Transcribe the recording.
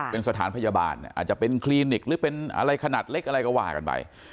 เป็นสถานพยาบาลอาจจะเป็นคลินิกหรือเป็นอะไรขนาดเล็กอะไรก็ว่ากันไป